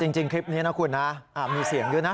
จริงคลิปนี้นะคุณนะมีเสียงด้วยนะ